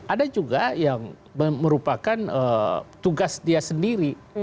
ada juga yang merupakan tugas dia sendiri